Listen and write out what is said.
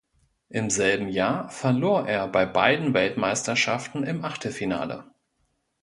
Im selben Jahr verlor er bei beiden Weltmeisterschaften im Achtelfinale.